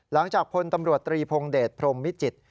หลังจากพลตำรวจตรีพงเดชพรมมิจิตร